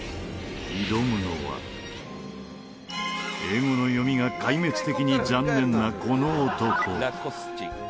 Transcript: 英語の読みが壊滅的に残念なこの男。